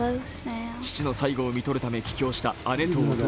父の最期を看取るため帰京した姉と弟。